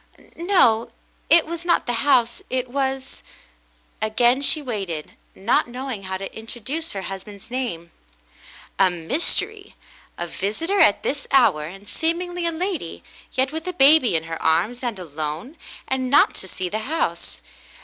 "No, it was not the house — it was —" Again she waited, not knowing how to introduce her husband's name. A mystery ! A visitor at this hour, and seemingly a lady, yet with a baby in her arms, and alone, and not to see the house.